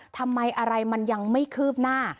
ทำไมอะไรมันยังไม่คืบหน้า